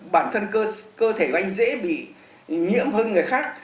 bản thân cơ thể của anh dễ bị nhiễm hơn người khác